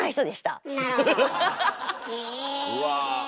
うわ。